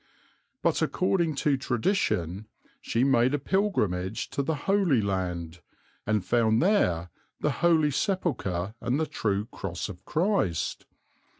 But, according to tradition, she made a pilgrimage to the Holy Land, and found there the Holy Sepulchre and the true cross of Christ.